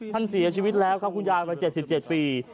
ท่านเสียชีวิตแล้วครับคุณยายวัย๗๗ปี